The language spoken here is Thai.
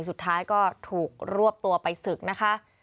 สุดท้ายก็ถูกรวบตัวไปศึกนะคะ